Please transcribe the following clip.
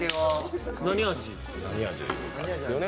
何味かですよね。